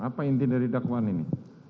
apa inti dari dakwaan ini